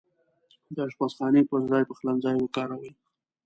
د اشپزخانې پرځاي پخلنځای وکاروئ